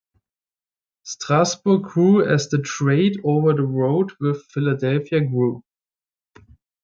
Strasburg grew as the trade over the road with Philadelphia grew.